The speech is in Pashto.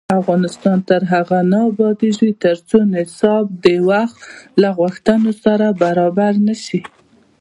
افغانستان تر هغو نه ابادیږي، ترڅو نصاب د وخت له غوښتنو سره برابر نشي.